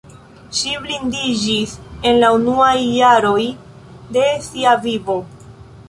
Ŝi blindiĝis en la unuaj jaroj de sia vivo.